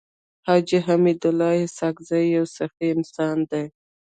حاجي حميدالله اسحق زی يو سخي انسان دی.